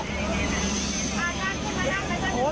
ยินดีต้อนรับกับป้านะครับ